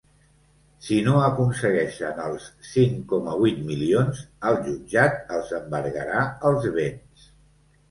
Si no aconsegueixen els cinc coma vuit milions, el jutjat els embargarà els béns.